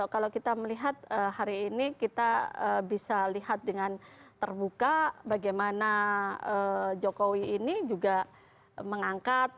kalau kita melihat hari ini kita bisa lihat dengan terbuka bagaimana jokowi ini juga mengangkat